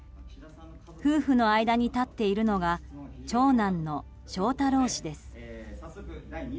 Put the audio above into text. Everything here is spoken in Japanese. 夫婦の間に立っているのが長男の翔太郎氏です。